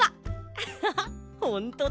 アハハッほんとだ。